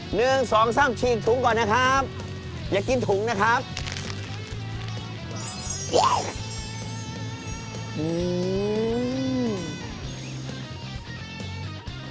หนึ่งสองสามฉีกถุงก่อนนะครับอย่ากินถุงนะครับ